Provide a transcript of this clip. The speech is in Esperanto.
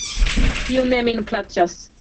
Tio ne min plaĉas.